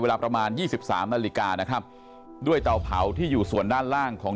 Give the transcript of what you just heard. เวลาประมาณยี่สิบสามนาฬิกานะครับด้วยเตาเผาที่อยู่ส่วนด้านล่างของ